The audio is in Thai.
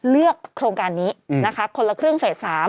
โครงการนี้นะคะคนละครึ่งเฟส๓